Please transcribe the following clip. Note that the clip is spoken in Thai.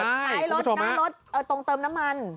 ท้ายรถหน้ารถตรงเติมน้ำมัน